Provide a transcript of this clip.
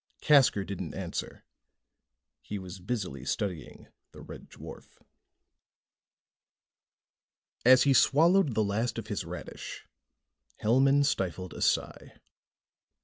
Casker didn't answer. He was busily studying the red dwarf. As he swallowed the last of his radish, Hellman stifled a sigh.